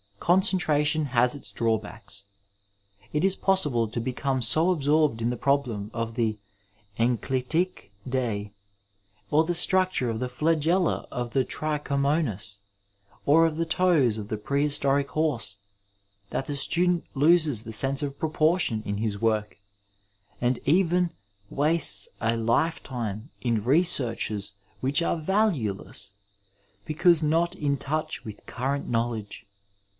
Goncenlaration has its drawbacks. 419 Digitized by VjOOQIC THE STUDENT LIFE It is poaaible to become so absorbed in the problem of the enditic Je/^ or the stnictiire of the flageUa of the Tricho monas, or of the toes of the prehistoric horse, that the student loses the sense of proportion in his work, and even wastes a lifetime in researches which are valueless because not in touch with current knowledge.